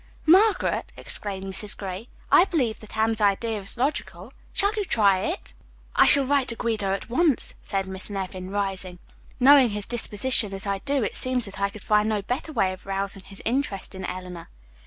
"Margaret," exclaimed Mrs. Gray, "I believe that Anne's idea is logical. Shall you try it!" "I shall write to Guido at once," said Miss Nevin, rising. "Knowing his disposition as I do, it seems that I could find no better way of rousing his interest in Eleanor.